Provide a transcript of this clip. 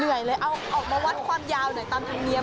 เลยเอาออกมาวัดความยาวหน่อยตามธรรมเนียม